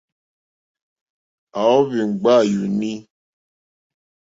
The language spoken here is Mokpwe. À wóhwì ŋɡbá yùùní.